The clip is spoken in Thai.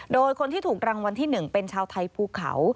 โดยคนที่ถูกรางวัลที่๑เป็นชาวไทยภูเขา